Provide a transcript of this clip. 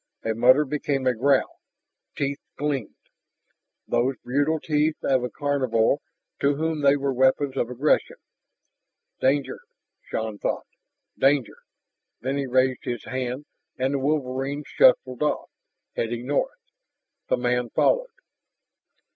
A mutter became a growl, teeth gleamed those cruel teeth of a carnivore to whom they were weapons of aggression. Danger ... Shann thought "danger." Then he raised his hand, and the wolverine shuffled off, heading north. The man followed.